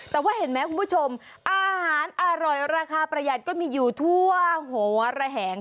แต่ว่าเห็นไหมคุณผู้ชมอาหารอร่อยราคาประหยัดก็มีอยู่ทั่วหัวระแหง